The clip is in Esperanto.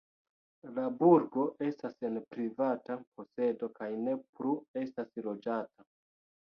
La burgo estas en privata posedo kaj ne plu estas loĝata.